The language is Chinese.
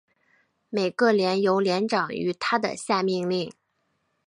每个连由连长与他的下命令。